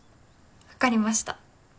わかりました。